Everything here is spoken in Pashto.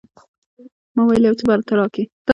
ما وويل يو څه به ته راکې.